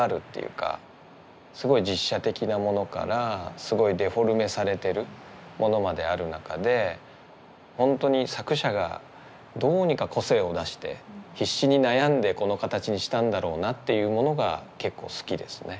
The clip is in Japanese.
すごい実写的なものからすごいデフォルメされてるものまである中で本当に作者がどうにか個性を出して必死に悩んでこの形にしたんだろうなっていうものが結構好きですね。